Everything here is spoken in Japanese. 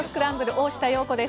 大下容子です。